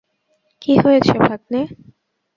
কী হয়েছে, ভাগ্নে?